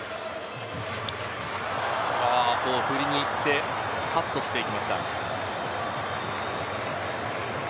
振りに行ってカットして行きました。